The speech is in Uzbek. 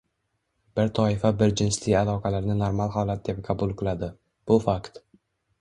Bir toifa birjinsli aloqalarni normal holat deb qabul qiladi, bu – fakt.